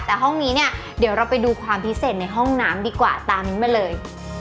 แต่ห้องนี้เนี่ยเดี๋ยวเราไปดูความพิเศษในห้องน้ำดีกว่าตามมิ้นมาเลย